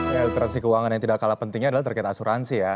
ya literasi keuangan yang tidak kalah pentingnya adalah terkait asuransi ya